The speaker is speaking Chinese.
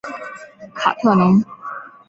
卡特农。